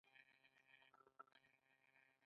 د سټنډرډ اداره فعاله ده؟